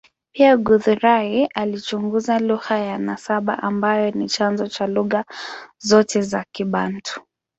Pia, Guthrie alichunguza lugha ya nasaba ambayo ni chanzo cha lugha zote za Kibantu.